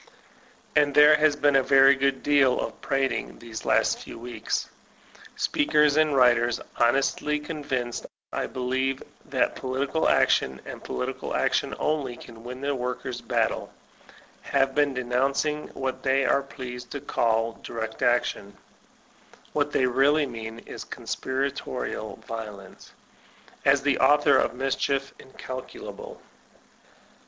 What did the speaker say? And there has been a very great deal of prating these last few weeks. Speakers and writers, honestly con vinced, I believe, that political action, and political action only, can win the workers' battle, have been denouncing what they are pleased to call "direct action" (what they really mean is coaspiratical violence) as the author of mischief incalculable.